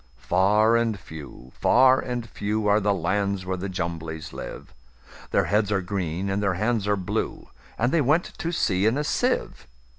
Far and few, far and few, Are the lands where the Jumblies live:Their heads are green, and their hands are blue; And they went to sea in a sieve.